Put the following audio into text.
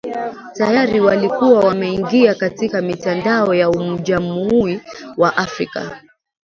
Tayari walikuwa wameingia katika mitandao ya umajumui wa Afrika